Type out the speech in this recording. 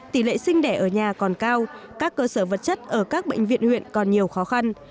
tỷ lệ sinh đẻ ở nhà còn cao các cơ sở vật chất ở các bệnh viện huyện còn nhiều khó khăn